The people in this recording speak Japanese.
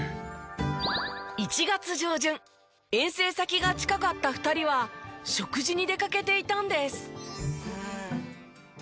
１月上旬遠征先が近かった２人は食事に出かけていたんです。